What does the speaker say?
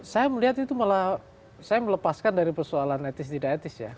saya melihat itu malah saya melepaskan dari persoalan etis tidak etis ya